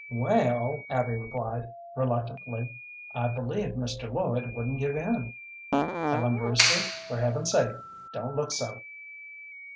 "Well," Abby replied, reluctantly, "I believe Mr. Lloyd wouldn't give in. Ellen Brewster, for Heaven's sake, don't look so!"